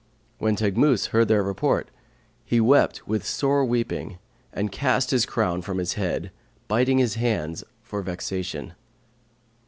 When Teghmus heard their report, he wept with sore weeping and cast the crown from his head, biting his hands for vexation.